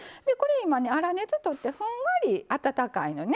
粗熱とって、ふんわり温かいのね。